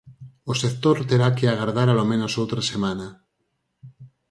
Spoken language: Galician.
O sector terá que agardar alomenos outra semana.